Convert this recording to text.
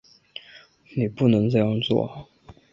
你不能这样做